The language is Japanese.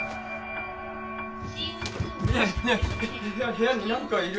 部屋になんかいる！